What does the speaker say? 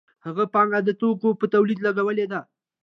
هغه پانګه د توکو په تولید لګولې ده